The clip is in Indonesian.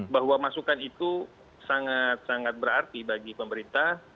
bahwa masukan itu sangat sangat berarti bagi pemerintah